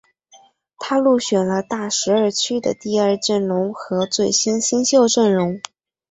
他入选了大十二区的第二阵容和最佳新秀阵容。